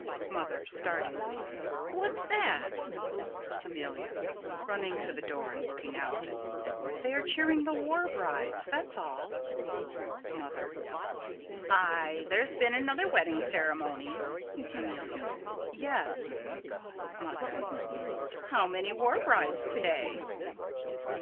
_] Mother: [Starting.] What's that? Amelia: [Running to the door and looking out.] They are cheering the war brides, that's all. Mother: Aye. There's been another wedding ceremony. Amelia: Yes. Mother: How many war brides to day?